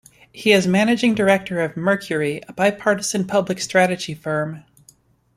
He is managing director of Mercury, a bipartisan public strategy firm.